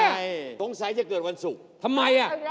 ถ้าคิดว่าจะเกิดวันศุกร์ทำไมนะ